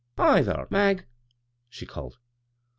" Hi, thar, Mag," she called.